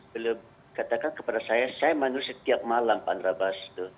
beliau katakan kepada saya saya menulis setiap malam pak andrabas